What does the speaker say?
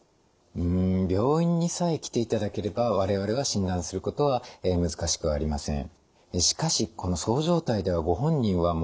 うん病院にさえ来ていただければ我々が診断することは難しくありません。